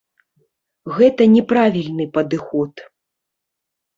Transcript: Гэта не правільны падыход.